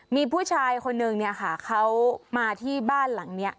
มีผู้ชายคนนึงเนี่ยค่ะเขามาที่บ้านหลังนี้